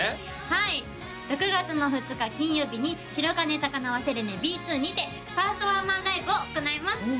はい６月の２日金曜日に白金高輪ＳＥＬＥＮＥｂ２にてファーストワンマンライブを行います